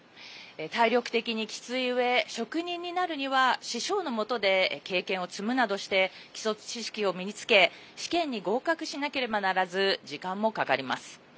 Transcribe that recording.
体力的にきついうえ職人になるには師匠のもとで経験を積むなどして基礎知識を身につけ試験に合格しなければならず時間もかかります。